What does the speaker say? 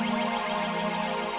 saya harap saya gak akan mengecewakan mas